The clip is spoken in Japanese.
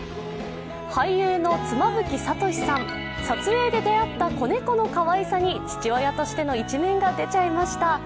俳優の妻夫木聡さん、撮影で出会った子猫のかわいさに父親としての一面が出ちゃいました。